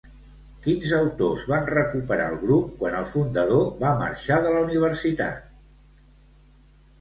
Quins autors van recuperar el grup quan el fundador va marxar de la universitat?